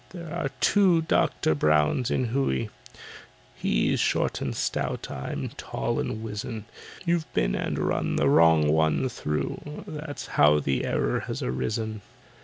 "There are two DOCTOR BROWNS in Hooe— He's short and stout, I'm tall and wizen; You've been and run the wrong one through, That's how the error has arisen."